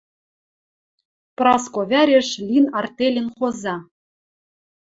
Праско вӓреш лин артельӹн хоза